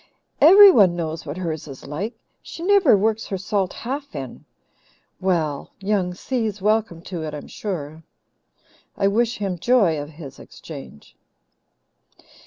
Everyone knows what hers is like. She never works her salt half in. Well, Young Si's welcome to it, I'm sure; I wish him joy of his exchange."